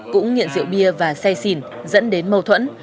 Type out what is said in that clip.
cũng nghiện rượu bia và xe xìn dẫn đến mâu thuẫn